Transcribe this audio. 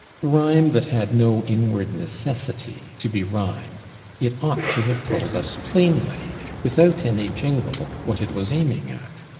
Rhyme that had no inward necessity to be rhymed: it ought to have told us plainly, without any jingle, what it was aiming at.